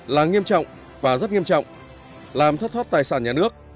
là nghiêm trọng và rất nghiêm trọng làm thất thoát tài sản nhà nước